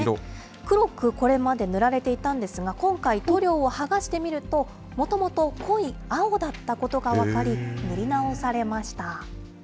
黒くこれまで塗られていたんですが、今回、塗料を剥がしてみると、もともと濃い青だったことが分かり、塗り直されました。